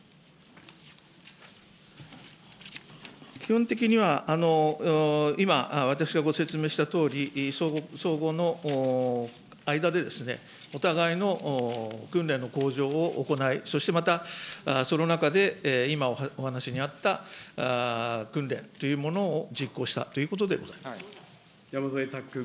基本的には、今、私がご説明したとおり、相互の間で、お互いの訓練の向上を行い、そしてまた、その中で今お話にあった訓練というものを実行したということでご山添拓君。